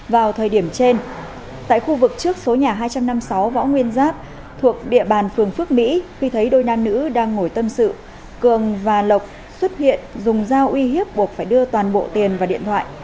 vào thời điểm trên tại khu vực trước số nhà hai trăm năm mươi sáu võ nguyên giáp thuộc địa bàn phường phước mỹ khi thấy đôi nam nữ đang ngồi tâm sự cường và lộc xuất hiện dùng dao uy hiếp buộc phải đưa toàn bộ tiền và điện thoại